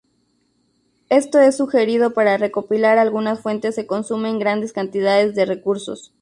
Esto es sugerido para recopilar algunas fuentes se consumen grandes cantidades de recursos.